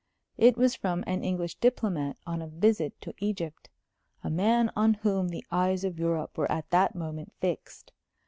It was from an English diplomat on a visit to Egypt, a man on whom the eyes of Europe were at that moment fixed.